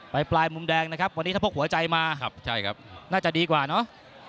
ไปปลายมุมแดงนะครับวันนี้ถ้าพวกหัวใจมาน่าจะดีกว่าน่ะ